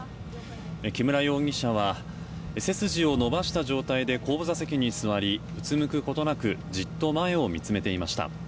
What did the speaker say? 木村容疑者は背筋を伸ばした状態で後部座席に座りうつむくことなくじっと前を見つめていました。